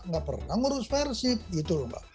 gak pernah ngurus persib